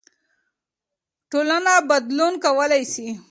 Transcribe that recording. ټولنه بدلون کولای سي.